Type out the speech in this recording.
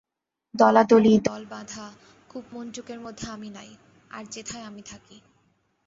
দলাদলি, দলবাঁধা, কূপমণ্ডুকের মধ্যে আমি নাই, আর যেথায় আমি থাকি।